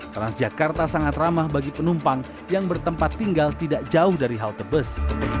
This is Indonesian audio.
transjakarta sangat ramah bagi penumpang yang bertempat tinggal tidak jauh dari halte bus